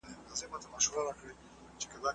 که ټکی زده کړې نو پوهه زیاتېږي.